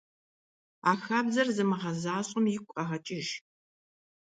А хабзэр зымыгъэзащӀэм игу къэгъэкӀыж.